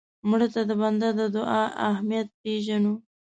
مړه ته د بنده د دعا اهمیت پېژنو